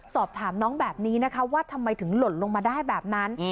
สอบถามน้องแบบนี้นะคะว่าทำไมถึงหล่นลงมาได้แบบนั้น